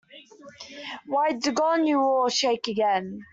Why, doggone you all, shake again.